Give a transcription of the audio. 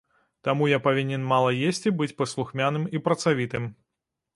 Таму я павінен мала есці, быць паслухмяным і працавітым.